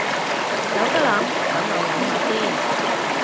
有得諗，等我搵下先